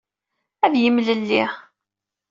Ad yemlelli.